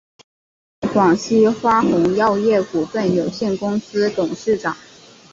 担任广西花红药业股份有限公司董事长。